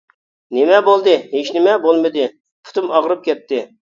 -نېمە بولدى؟ -ھېچنېمە بولمىدى، پۇتۇم ئاغرىپ كەتتى.